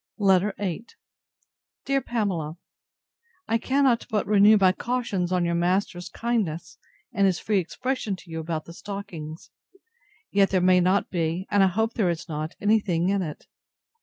LETTER VIII DEAR PAMELA, I cannot but renew my cautions on your master's kindness, and his free expression to you about the stockings. Yet there may not be, and I hope there is not, any thing in it.